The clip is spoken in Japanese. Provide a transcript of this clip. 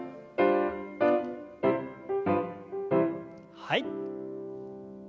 はい。